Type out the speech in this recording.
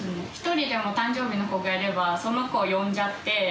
１人でも誕生日の子がいればその子を呼んじゃって。